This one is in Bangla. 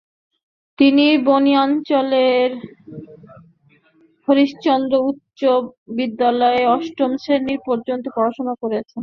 তিনি বানিয়াচঙ্গের হরিশ্চন্দ্র উচ্চ বিদ্যালয়ে অষ্টম শ্রেণী পর্যন্ত পড়াশোনা করেন।